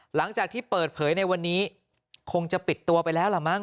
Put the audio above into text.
หลังจากที่เปิดเผยในวันนี้คงจะปิดตัวไปแล้วล่ะมั้